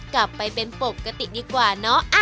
กลับไปเป็นปกติดีกว่าเนาะ